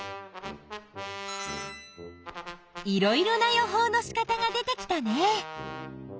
いろいろな予報のしかたが出てきたね。